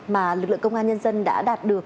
mà lực lượng công an nhân dân đã đạt được